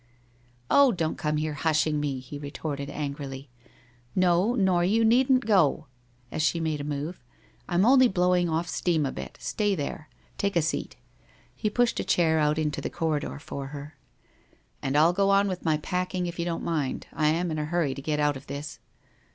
' Oh, don't come here hushing me !' he retorted an grily. ' Xo, nor you needn't go !' as she made a move. * I'm only blowing off steam a bit. Stay there. Take a seat.' He pushed a chair out into the corridor for her. WHITE ROSE OF WEARY LEAF 105 i And I'll go on with my packing, if you don't mind. I am in a hurry to get out of this